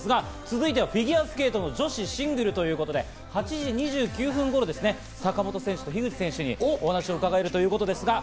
続いてはフィギュアスケートの女子シングルということで８時２９分頃、坂本選手と樋口選手にお話を伺えるということです。